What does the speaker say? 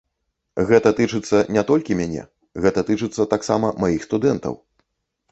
Гэта тычыцца не толькі мяне, гэта тычыцца таксама маіх студэнтаў.